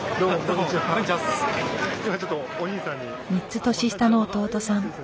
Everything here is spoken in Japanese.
３つ年下の弟さん。